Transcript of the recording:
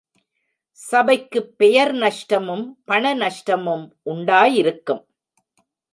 சபைக்குப் பெயர் நஷ்டமும் பண நஷ்டமும் உண்டாயிருக்கும்.